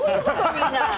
みんな。